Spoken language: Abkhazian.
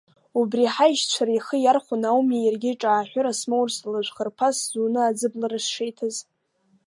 Убри ҳаишьцәара ихы иархәаны ауми иаргьы ҿааҳәыра смоурц лажәхырԥа сзуны аӡыблара сшеиҭаз…